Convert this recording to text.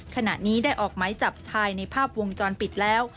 ขณะนี้ได้ออกไหมจับชายในภาพวงจรปิดแล้ว